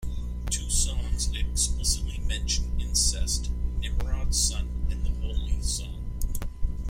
Two songs explicitly mention incest- "Nimrod's Son" and "The Holiday Song".